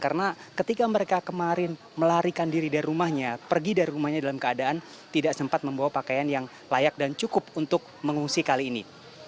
karena ketika mereka kemarin melarikan diri dari rumahnya pergi dari rumahnya dalam keadaan tidak sempat membawa pakaian yang layak dan cukup untuk mengungsi kali ini